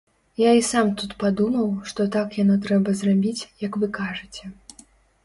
Я і сам тут падумаў, што так яно трэба зрабіць, як вы кажаце.